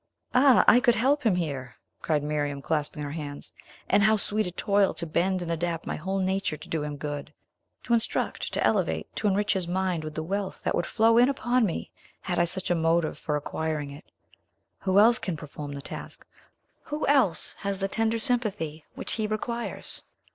"Ah, I could help him here!" cried Miriam, clasping her hands. "And how sweet a toil to bend and adapt my whole nature to do him good! To instruct, to elevate, to enrich his mind with the wealth that would flow in upon me, had I such a motive for acquiring it! Who else can perform the task? Who else has the tender sympathy which he requires?